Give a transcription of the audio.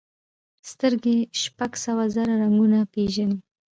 سترګې شپږ سوه زره رنګونه پېژني.